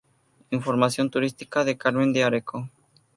Información Turística de Carmen de Areco